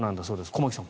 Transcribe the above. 駒木さん